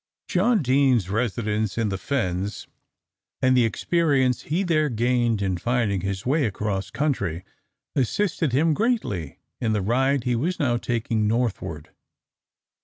John Deane's residence in the fens, and the experience he there gained in finding his way across country, assisted him greatly in the ride he was now taking northward.